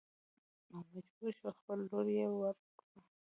نو مجبور شو خپله لور يې ور کړه.